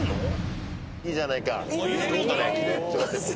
いいじゃないか。